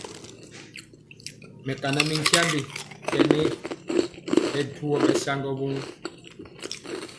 Mɛkana mi nkyambe ke nɛ, hɛ duwɔ ɓɛ saŋgɔ woo.